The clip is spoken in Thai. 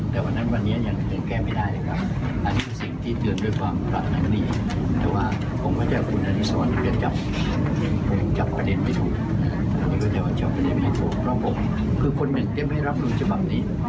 คือคนเหมือนก็ไม่รับรัฐธรรมนุนฉบับนี้